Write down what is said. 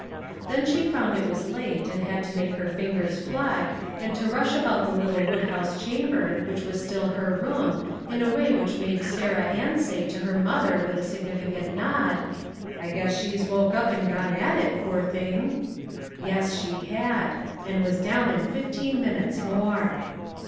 Then she found it was late, and had to make her fingers fly, and to rush about the little wood house chamber which was still her room, in a way which made Sarah Ann say to her mother with a significant nod, " I guess she's woke up and gone at it, poor thing !" Yes, she had ; and was down in fifteen minutes more.